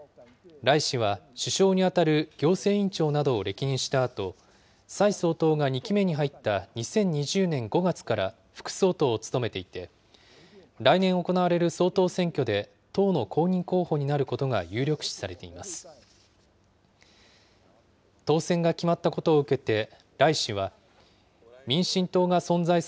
頼氏は首相に当たる行政院長などを歴任したあと、蔡総統が２期目に入った２０２０年５月から副総統を務めていて、来年行われる総統選挙で、党の公認候補になることが有力視されています。